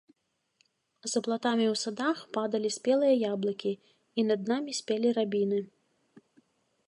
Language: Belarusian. За платамі ў садах падалі спелыя яблыкі, і над намі спелі рабіны.